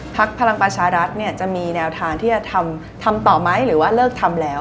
ภักดิ์พลังปัชรัฐจะมีแนวทางที่จะทำต่อไหมหรือว่าเลิกทำแล้ว